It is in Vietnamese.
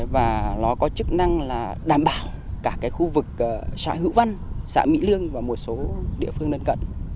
và nó có chức năng là đảm bảo cả cái khu vực xã hữu văn xã mỹ lương và một số địa phương đơn cận